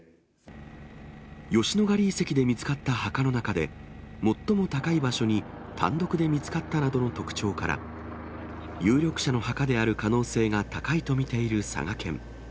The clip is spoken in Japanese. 吉野ヶ里遺跡で見つかった墓の中で最も高い場所に単独で見つかったなどの特徴から、有力者の墓である可能性が高いと見ている佐賀県。